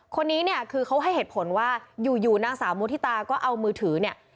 คนนี้เนี่ยคือเขาให้เหตุผลว่าอยู่นางสาวมุฒิตาก็เอามือถือเนี่ย